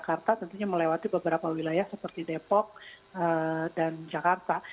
jakarta tentunya melewati beberapa wilayah seperti depok dan jakarta